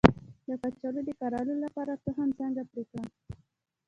د کچالو د کرلو لپاره تخم څنګه پرې کړم؟